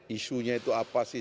isunya itu apa sih